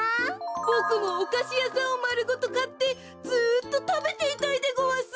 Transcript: ボクもおかしやさんをまるごとかってずっとたべていたいでごわす！